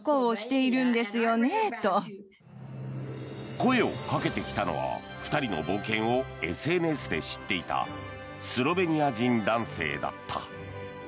声をかけてきたのは２人の冒険をＳＮＳで知っていたスロベニア人男性だった。